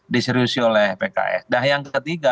diseriusi oleh pks dan yang ketiga